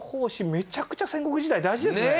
めちゃくちゃ戦国時代大事ですね。